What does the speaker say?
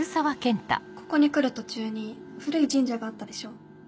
ここに来る途中に古い神社があったでしょ？